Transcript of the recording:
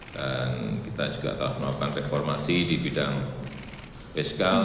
dan kita juga telah melakukan reformasi di bidang fiskal